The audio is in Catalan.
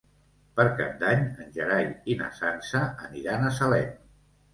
Per Cap d'Any en Gerai i na Sança aniran a Salem.